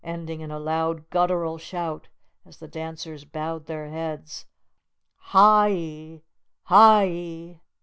ending in a loud, guttural shout, as the dancers bowed their heads, "Ha i! Ha i!"